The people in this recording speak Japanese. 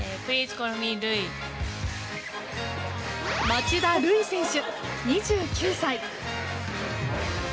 町田瑠唯選手、２９歳。